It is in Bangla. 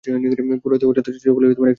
পৌরোহিত্য ও অত্যাচার চিরকালই এক সঙ্গে থাকিবে।